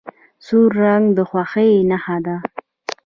سور رنګ د خوښۍ نښه ده.